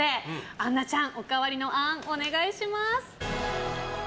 杏菜ちゃん、おかわりのあーんお願いします。